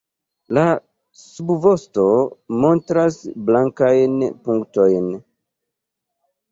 La subvosto montras blankajn punktojn.